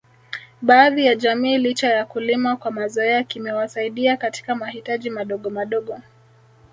Baadhi ya jamii licha ya kulima kwa mazoea kimewasaidia katika mahitaji madogo madogo